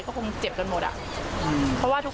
กลัวค่ะกลัวมาก